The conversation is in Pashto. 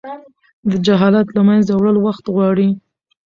د جهالت له منځه وړل وخت غواړي.